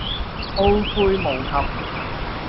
懊悔無及